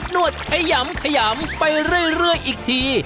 วดขยำขยำไปเรื่อยอีกที